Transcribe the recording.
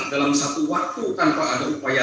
dalam satu waktu tanpa ada upaya